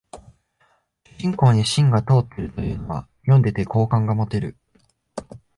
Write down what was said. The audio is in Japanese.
主人公に芯が通ってるというのは読んでて好感が持てる